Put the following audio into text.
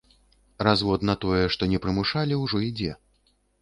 Развод на тое, што не прымушалі, ужо ідзе.